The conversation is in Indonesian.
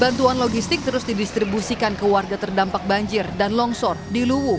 bantuan logistik terus didistribusikan ke warga terdampak banjir dan longsor di luwu